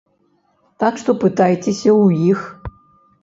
Так што пытайцеся ў іх.